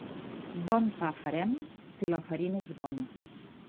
Bon pa farem si la farina és bona.